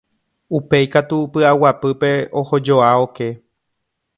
Upéi katu py'aguapýpe ohojoa oke.